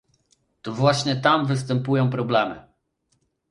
To właśnie tam występują problemy